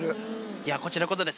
いやこちらこそです。